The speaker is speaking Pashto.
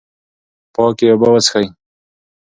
پاکې اوبه وڅښئ.